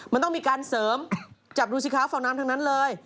มันต้องมีการเสริมจับดูสิคะฟองน้ำทั้งนั้นเลย